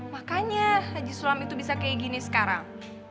makanya haji sulam itu bisa kayak gini sekarang